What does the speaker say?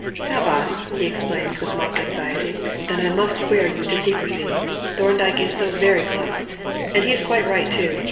"Have I?" he exclaimed, with mock anxiety; "then I must swear you to secrecy. Thorndyke is so very close and he is quite right too.